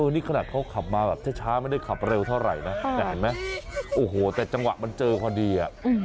นี่ขนาดเขาขับมาแบบช้าไม่ได้ขับเร็วเท่าไหร่นะแต่จังหวะมันเจอพอดี